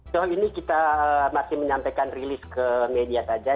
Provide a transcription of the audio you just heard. soal ini kita masih menyampaikan rilis ke media saja